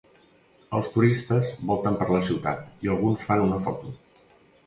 Els turistes volten per la ciutat i alguns fan una foto